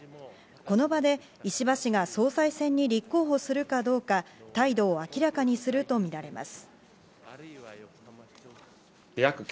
この場で、石破氏が総裁選に立候補するかどうか態度を明らかにするとみられます。